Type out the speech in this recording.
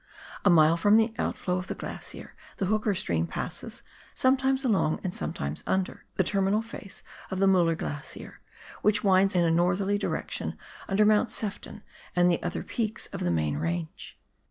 A mile from the outflow of the glacier, the Hooker stream passes, sometimes along, and sometimes under, the terminal face of the Mueller Glacier, which winds in a northerly direction under Mount Sefton and the other peaks of the main range.